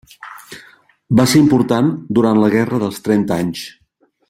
Va ser important durant la Guerra dels Trenta Anys.